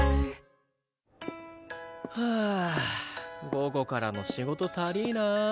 午後からの仕事たりいな。